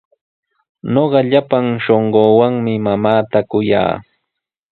Ñuqa llapan shunquuwanmi mamaata kuyaa.